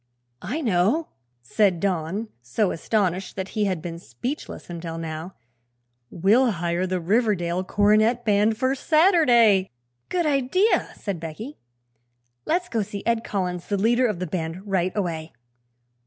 "I know," said Don, so astonished that he had been speechless until now; "we'll hire the Riverdale Cornet Band for Saturday." "Good idea," said Becky. "Let's go see Ed Collins, the leader of the band, right away."